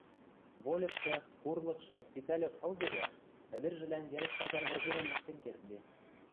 Вольыкшы, пурлыкшы ситӓлык ылде дӓ ӹдӹржӹлӓн йӓл статян выргемӹм ӹштен кердде.